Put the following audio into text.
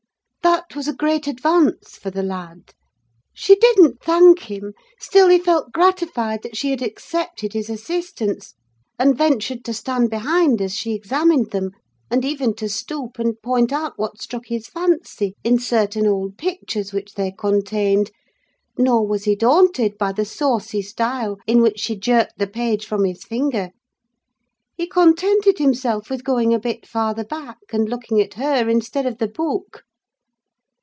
"That was a great advance for the lad. She didn't thank him; still, he felt gratified that she had accepted his assistance, and ventured to stand behind as she examined them, and even to stoop and point out what struck his fancy in certain old pictures which they contained; nor was he daunted by the saucy style in which she jerked the page from his finger: he contented himself with going a bit farther back and looking at her instead of the book.